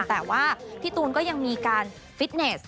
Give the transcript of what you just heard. แต่ว่าพี่ตูนก็ยังมีการฟิตเนส